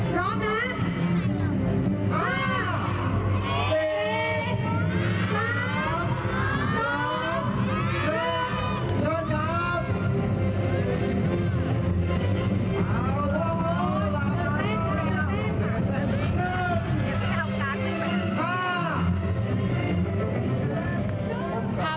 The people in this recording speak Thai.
นั่นแม่ค่ะนั่นแม่ค่ะ